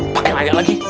pake lanyak lagi